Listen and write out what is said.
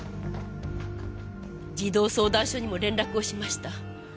児童相談所にも連絡をしました。